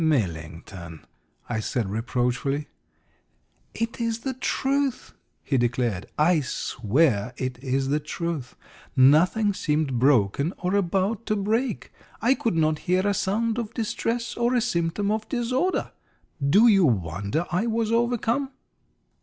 "Millington!" I said reproachfully. "It is the truth!" he declared. "I swear it is the truth. Nothing seemed broken or about to break. I could not hear a sound of distress, or a symptom of disorder. Do you wonder I was overcome?"